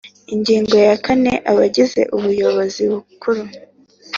Ingingo ya kane Abagize Ubuyobozi Bukuru